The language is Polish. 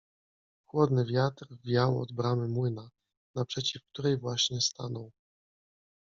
Chłodny wiatr wiał od bramy młyna, naprzeciw której właśnie stanął.